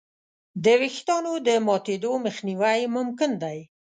د وېښتیانو د ماتېدو مخنیوی ممکن دی.